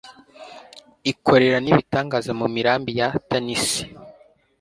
ikorera n’ibitangaza mu mirambi ya Tanisi